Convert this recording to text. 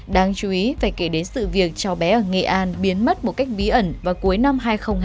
đáng chú ý phải kể đến sự việc cháu bé ở nghệ an biến mất một cách bí ẩn vào cuối năm hai nghìn một mươi ba